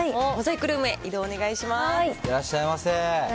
行ってらっしゃいませ。